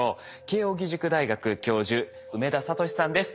慶應義塾大学教授梅田聡さんです。